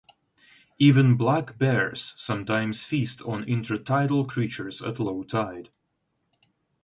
Even black bears sometimes feast on intertidal creatures at low tide.